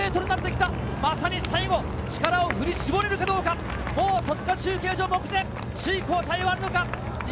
まさに最後、力を振り絞れるかどうか、もう戸塚中継所目前、首位交代はあるのか？